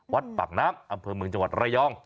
วัดปากน้ำอำเภอเมืองจังหวัดระยอง